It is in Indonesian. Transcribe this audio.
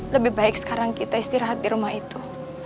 lebih baik sekarang kita istirahat di rumah itu